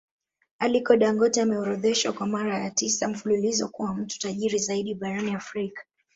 Aliko Dangote ameorodheshwa kwa mara ya tisa mfululizo kuwa mtu tajiri zaidi barani Afrika